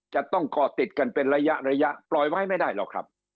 จะต้องก่อติดกันเป็นระยะระยะปล่อยไว้ไม่ได้หรอกครับ